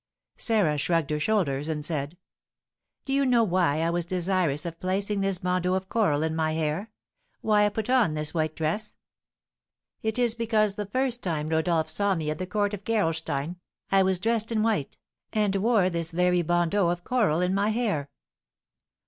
Sarah shrugged her shoulders, and said, "Do you know why I was desirous of placing this bandeau of coral in my hair, why I put on this white dress? It is because the first time Rodolph saw me at the court of Gerolstein I was dressed in white, and wore this very bandeau of coral in my hair."